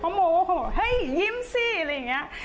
เพราะโมว่าเฮ้ยยิ้มสิอะไรอย่างนี้